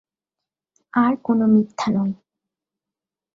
আর কোনো মিথ্যা নয়।